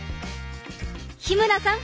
日村さん